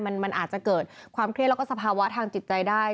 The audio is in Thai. มันอาจจะเกิดความเครียดแล้วก็สภาวะทางจิตใจได้